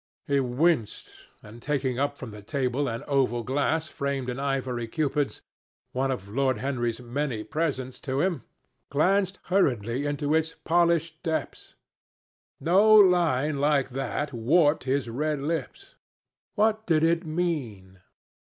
He winced and, taking up from the table an oval glass framed in ivory Cupids, one of Lord Henry's many presents to him, glanced hurriedly into its polished depths. No line like that warped his red lips. What did it mean?